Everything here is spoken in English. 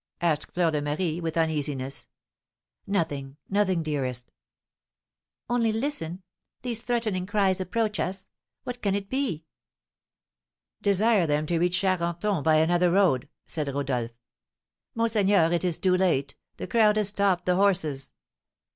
asked Fleur de Marie with uneasiness. "Nothing nothing, dearest." "Only listen, these threatening cries approach us! What can it be?" "Desire them to reach Charenton by another road," said Rodolph. "Monseigneur, it is too late, the crowd has stopped the horses."